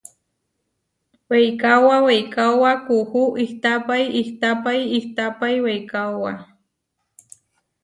Weikaóba weikaóba kuú ihtapái ihtapái ihtapái weikaóba.